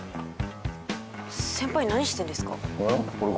先輩何してんですか？